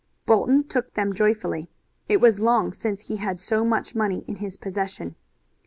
Bolton took them joyfully. It was long since he had so much money in his possession.